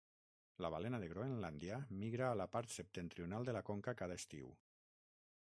La balena de Groenlàndia migra a la part septentrional de la conca cada estiu.